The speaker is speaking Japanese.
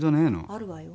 あるわよ。